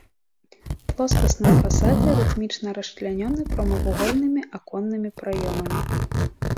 Плоскасныя фасады рытмічна расчлянёны прамавугольнымі аконнымі праёмамі.